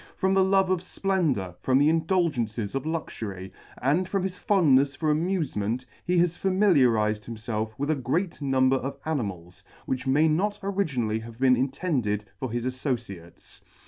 From the love of fplendour, from the indulgences of luxury, and from his fondnefs for amufement, he has familiarifed himfelf with a great number of animals, which may not originally have been in tended for his affociates.